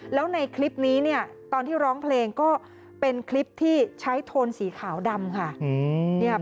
แล้วในคลิปนี้เนี่ยตอนที่ร้องเพลงก็เป็นคลิปที่ใช้โทนสีขาวดำค่ะ